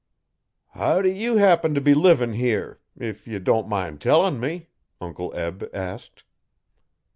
'How do you happen t' be livin' here? if ye don't min' tellin' me,' Uncle Eb asked.